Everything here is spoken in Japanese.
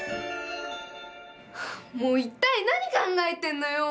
もう一体何考えてんのよ！